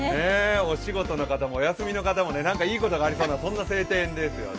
お仕事の方もお休みの方も何かいいことがありそうな晴天ですよね。